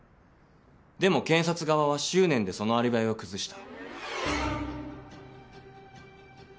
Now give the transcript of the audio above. でも検察側は執念でそのアリバイを崩した。